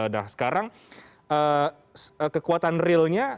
nah sekarang kekuatan realnya